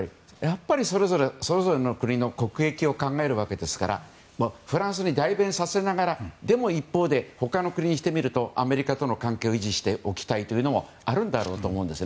それぞれの国の国益を考えるわけですからフランスに代弁させながらでも一方で他の国にしてみるとアメリカとの関係を維持しておきたいというのもあると思うんです。